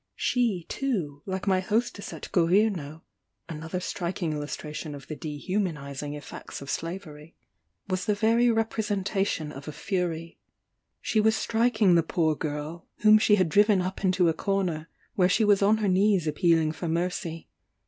She too, like my hostess at Governo [another striking illustration of the dehumanizing effects of Slavery,] was the very representation of a fury. She was striking the poor girl, whom she had driven up into a corner, where she was on her knees appealing for mercy.